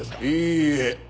いいえ。